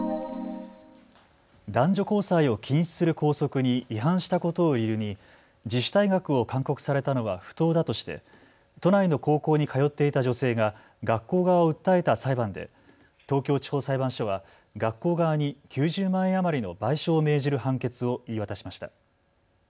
男女交際を禁止する校則に違反したことを理由に自主退学を勧告されたのは不当だとして都内の高校に通っていた女性が学校側を訴えた裁判で東京地方裁判所は学校側に９０万円余りの賠償を命じる判決を言い渡しました。